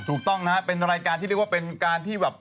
ถูกต้องนะฮะเป็นรายการที่เรียกว่าเป็นการที่แบบ